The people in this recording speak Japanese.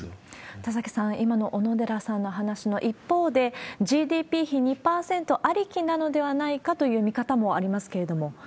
田崎さん、今の小野寺さんの話の一方で、ＧＤＰ比２％ありきなのではないかという見方もありますけれども。